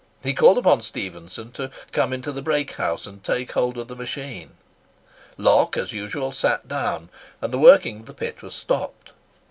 He called upon Stephenson to "come into the brake house, and take hold of the machine." Locke, as usual, sat down, and the working of the pit was stopped.